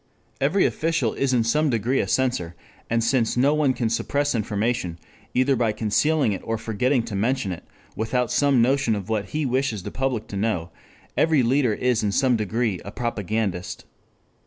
Every official is in some degree a censor. And since no one can suppress information, either by concealing it or forgetting to mention it, without some notion of what he wishes the public to know, every leader is in some degree a propagandist.